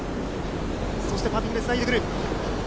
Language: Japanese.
そしてパドリングでつないでくる。